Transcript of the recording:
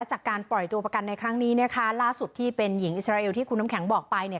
จากการปล่อยตัวประกันในครั้งนี้นะคะล่าสุดที่เป็นหญิงอิสราเอลที่คุณน้ำแข็งบอกไปเนี่ย